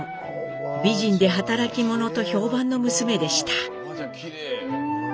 美人で働き者と評判の娘でした。